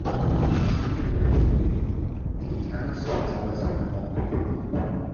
sina wile e ni: mi kama sin tawa sina la mi kama.